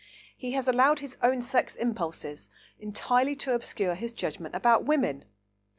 He has allowed his own sex impulses entirely to obscure his judgment about women.